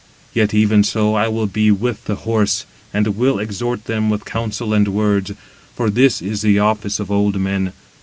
Yet even so, I will be with the horse, and will exhort them with counsel and words: for this is the office of old men.